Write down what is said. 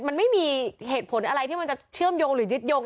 มันไม่มีเหตุผลอะไรที่มันจะเชื่อมโยง